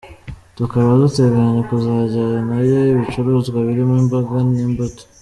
Tukaba duteganya kuzajyanayo ibicuruzwa birimo imboga n’imbuto”.